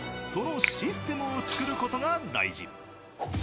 そのシステムを作る事が大事。